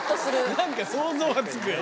何か想像はつくよね。